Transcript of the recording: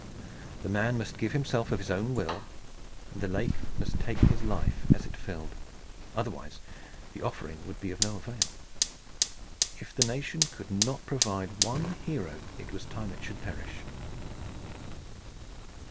The man must give himself of his own will; and the lake must take his life as it filled. Otherwise the offering would be of no avail. If the nation could not provide one hero, it was time it should perish."